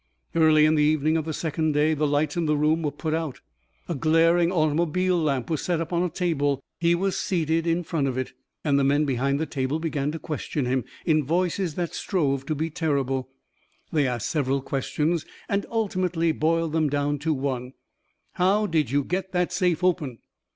Early in the evening of the second day the lights in the room were put out, a glaring automobile lamp was set up on a table, he was seated in front of it, and men behind the table began to question him in voices that strove to be terrible. They asked several questions and ultimately boiled them down to one: "How did you get that safe open?"